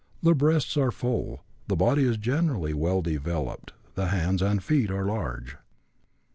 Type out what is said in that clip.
The breasts are full. The body is generally well developed; the hands and feet are large.